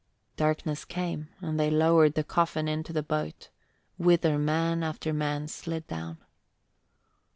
Darkness came and they lowered the coffin into the boat, whither man after man slid down.